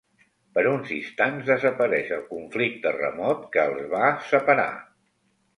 Per uns instants desapareix el conflicte remot que els va separar.